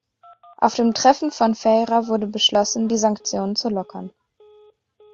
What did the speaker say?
Auf dem Treffen von Feira wurde beschlossen, die Sanktionen zu lockern.